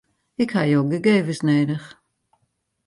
Ik ha jo gegevens nedich.